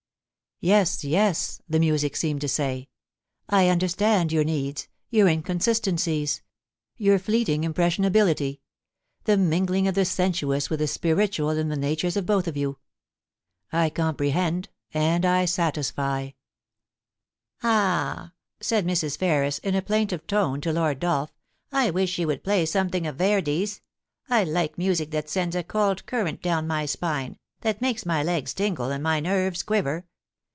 * Yes, yes,' the music seemed to say, *I understand your needs, your inconsistencies, your fleeting impressionability — the mingling of the sensuous with the spiritual in the natures of both of you. I comprehend and I satisfy.' * Ah !* said Mrs. Ferris in a plaintive tone to Lord Dolph, * I wish she would play something of Verdi's. I like music that sends a cold current down my spine, that makes my legs tingle and my nerves quiver.